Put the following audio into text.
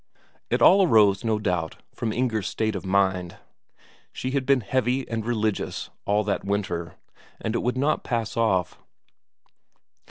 It all arose, no doubt, from Inger's state of mind; she had been heavy and religious all that winter, and it would not pass off.